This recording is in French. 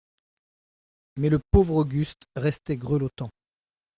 Mais le pauvre Auguste restait grelottant.